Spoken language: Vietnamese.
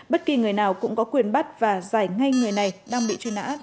bất kỳ người nào cũng có quyền bắt và giải ngay người này đang bị truy nã